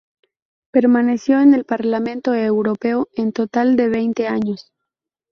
Permaneció en el Parlamento Europeo un total de veinte años.